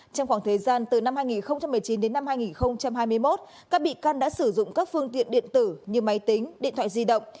trong khoảng thời gian từ năm hai nghìn một mươi chín đến năm hai nghìn hai mươi một các bị can đã sử dụng các phương tiện điện tử như máy tính điện thoại di động